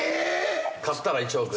勝ったら１億円？